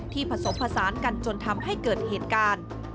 ผสมผสานกันจนทำให้เกิดเหตุการณ์